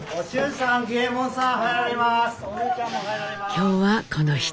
今日はこの人。